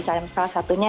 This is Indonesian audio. salah satunya misalnya